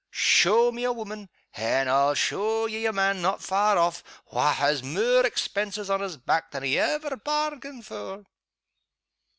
Show me a woman and I'll show ye a man not far off wha' has mair expenses on his back than he ever bairgained for."